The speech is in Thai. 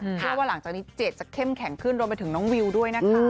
เชื่อว่าหลังจากนี้เจดจะเข้มแข็งขึ้นรวมไปถึงน้องวิวด้วยนะคะ